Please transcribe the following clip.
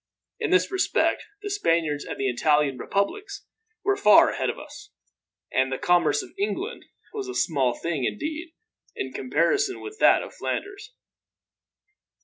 In this respect the Spaniards and the Italian Republics were far ahead of us, and the commerce of England was a small thing, indeed, in comparison with that of Flanders.